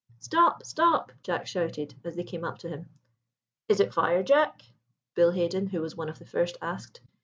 "Stop! stop!" Jack shouted, as they came up to him. "Is it fire, Jack?" Bill Haden, who was one of the first, asked.